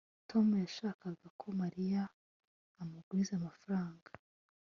tom yashakaga ko mariya amuguriza amafaranga